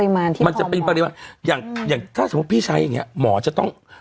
มันไม่ใช่หยอดทีละ๓หยดนะน้อง